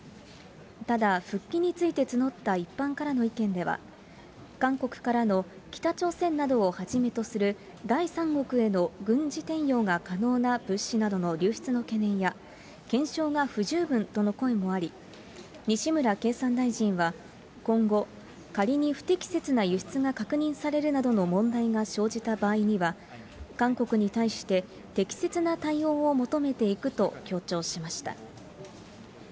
ただ、復帰について募った一般からの意見では、韓国からの北朝鮮などをはじめとする第三国への軍事転用が可能な物資などの流出の懸念や、検証が不十分との声もあり、西村経産大臣は、今後、仮に不適切な輸出が確認されるなどの問題が生じた場合には、韓国に対して、適切な対応を求めていくと強調しました。